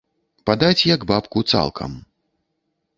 Падаць як бабку, цалкам.